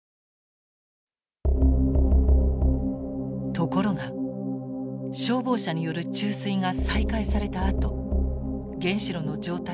ところが消防車による注水が再開されたあと原子炉の状態が悪化します。